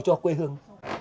và quê hương